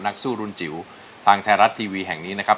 นักสู้รุนจิ๋วทางไทยรัฐทีวีแห่งนี้นะครับ